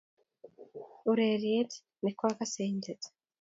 urerit ni koakse eng let